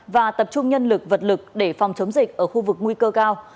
và tập trung nhân lực vật lực để phòng chống dịch ở khu vực nguy cơ cao